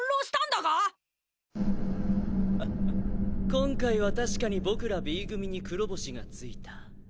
今回は確かに僕らＢ組に黒星がついた。